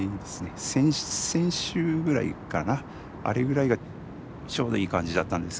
あれぐらいがちょうどいい感じだったんですけど。